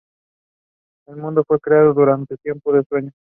El mundo fue creado durante el Tiempo del Sueño.